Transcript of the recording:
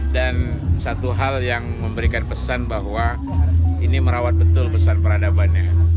dan satu hal yang memberikan pesan bahwa ini merawat betul pesan peradabannya